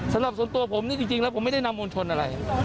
สำหรับส่วนตัวผมนี่จริงแล้วผมไม่ได้นำมวลชนอะไร